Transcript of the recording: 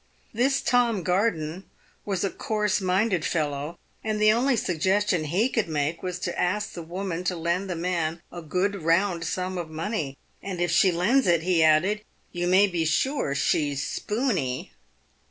This Tom Garden was a coarse minded fellow, and the only suggestion he could make was to ask the woman to lend the man a good round sum of money, " and if she lends it," he added, " you may be sure she's spoony."